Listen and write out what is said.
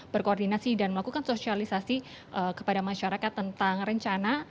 berkoordinasi dan melakukan sosialisasi kepada masyarakat tentang rencana